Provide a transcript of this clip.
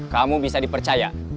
kamu bisa dipercaya